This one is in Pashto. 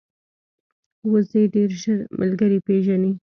وزې ډېر ژر ملګري پېژني